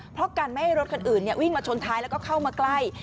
เพราะกันไม่ให้รถคันอื่นวิ่งมาชนท้ายแล้วก็เข้ามาใกล้